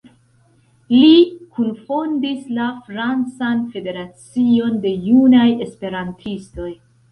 Li kunfondis la Francan Federacion de Junaj Esperantistoj.